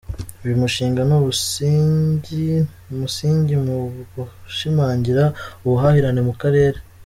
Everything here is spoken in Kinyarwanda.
Uyu mushinga ni umusingi mu gushimangira ubuhahirane mu karere”.